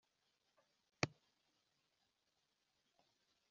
Abafilisitiya imyaka mirongo ine